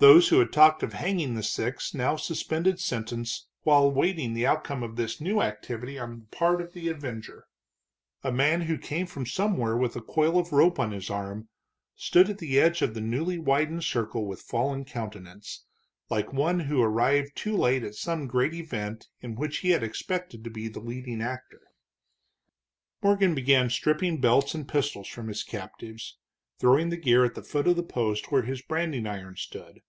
Those who had talked of hanging the six now suspended sentence while waiting the outcome of this new activity on the part of the avenger. A man who came from somewhere with a coil of rope on his arm stood at the edge of the newly widened circle with fallen countenance, like one who arrived too late at some great event in which he had expected to be the leading actor. Morgan began stripping belts and pistols from his captives, throwing the gear at the foot of the post where his branding iron stood.